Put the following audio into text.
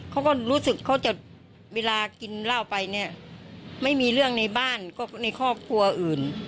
เขาก็รู้สึกเขาจะเวลากินเหล้าไปเนี่ยไม่มีเรื่องในบ้านก็ในครอบครัวอื่น